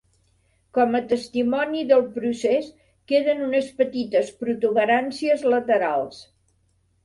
Com a testimoni del procés queden unes petites protuberàncies laterals.